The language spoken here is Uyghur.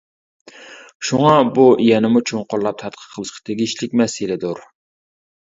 شۇڭا بۇ يەنىمۇ چوڭقۇرلاپ تەتقىق قىلىشقا تېگىشلىك مەسىلىدۇر.